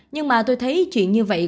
nhưng mà tôi thấy chuyện như vậy